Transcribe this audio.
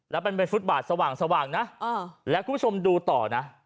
แล้วมันเป็นฟุตบาทสว่างนะแล้วคุณผู้ชมดูต่อนะ